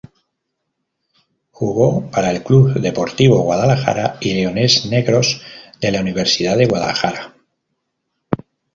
Jugó para el Club Deportivo Guadalajara y Leones Negros de la Universidad de Guadalajara.